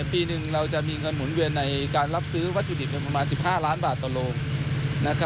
ปีหนึ่งเราจะมีเงินหมุนเวียนในการรับซื้อวัตถุดิบประมาณ๑๕ล้านบาทต่อโรง